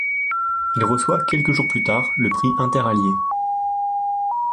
Il reçoit quelques jours plus tard le prix Interallié.